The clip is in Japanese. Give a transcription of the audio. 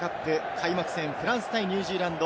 開幕戦フランス対ニュージーランド。